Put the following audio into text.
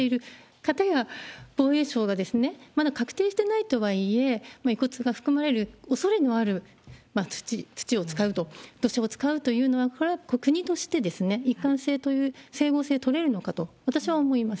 かたや、防衛省が、まだ確定してないとはいえ、遺骨が含まれるおそれのある土、土を使うと、土砂を使うというのは、これは国として、一貫性という整合性取れるのかと、私は思います。